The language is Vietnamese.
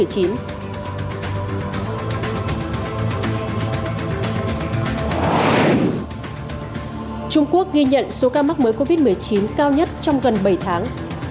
trung quốc ghi nhận số ca mắc mới covid một mươi chín cao nhất trong gần bảy tháng